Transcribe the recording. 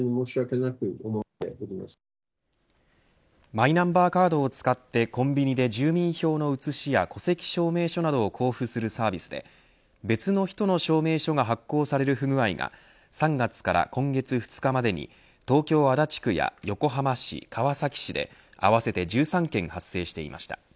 マイナンバーカードを使ってコンビニで住民票の写しや戸籍証明書などを交付するサービスで別の人の証明書が発行される不具合が３月から今月２日までに東京、足立区や横浜市、川崎市で合わせて１３件発生していました。